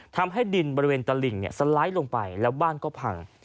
ทำให้ดินบริเวณตลิ่งสไลด์ลงไปแล้วบ้านก็พัง